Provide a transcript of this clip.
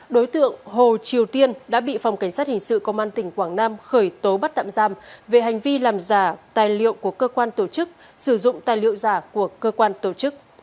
đối tượng hồ triều tiên đã bị phòng cảnh sát hình sự công an tỉnh quảng nam khởi tố bắt tạm giam về hành vi làm giả tài liệu của cơ quan tổ chức sử dụng tài liệu giả của cơ quan tổ chức